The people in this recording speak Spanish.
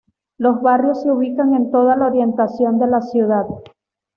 Los barrios se ubican en toda la orientación de la ciudad.